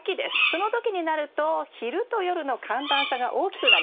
その時になると昼と夜の寒暖差が大きくなります。